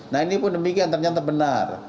nah ini pun demikian ternyata benar